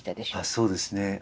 そうですね。